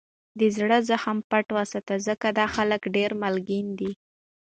دزړه زخم پټ وساتئ! ځکه دا خلک دېر مالګین دي.